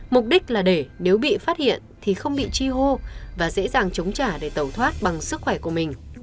mục đích là để nếu bị phát hiện thì không bị chi hô và dễ dàng chống trả để tẩu thoát bằng sức khỏe của mình